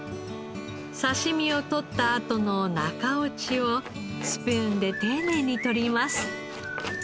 刺し身を取ったあとの中落ちをスプーンで丁寧に取ります。